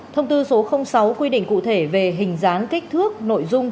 thông tư số sáu quy định cụ thể về hình dáng kích thước nội dung